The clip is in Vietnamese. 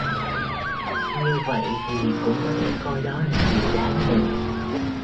Như vậy thì cũng có thể coi đó là điều đáng mừng